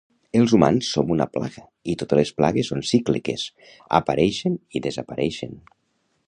Els humans som una plaga i totes les plagues són cícliques apareixen i desapareixen